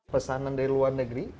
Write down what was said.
pesanan dari luar negeri